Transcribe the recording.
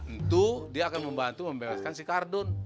itu dia akan membantu membebaskan si kardun